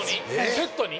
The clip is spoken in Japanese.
セットに？